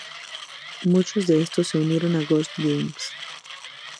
Muchos de estos se unieron a Ghost Games.